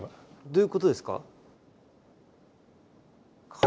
どういうことですか？